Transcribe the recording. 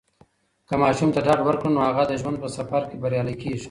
که ماشوم ته ډاډ ورکړو، نو هغه د ژوند په سفر کې بریالی کیږي.